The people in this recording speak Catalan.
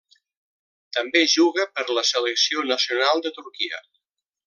També juga per la selecció nacional de Turquia.